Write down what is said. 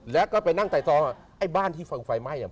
แล้วก็ไปนั่งไต่ซ้อไอ้บ้านที่ฟังไฟไหม้